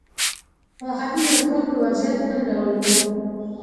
په ختیځه اروپا کې وضعیت بل ډول و.